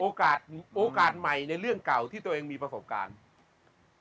โอกาสโอกาสใหม่ในเรื่องเก่าที่ตัวเองมีประสบการณ์